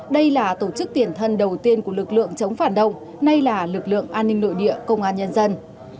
đây là tổ chức tiền thân đầu tiên của lực lượng chống phản động nay là lực lượng an ninh nội địa công an nhân dân